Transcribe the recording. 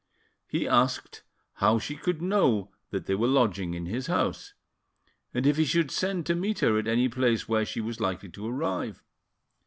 He asked how she could know that they were lodging in his house, and if he should send to meet her at any place where she was likely to arrive.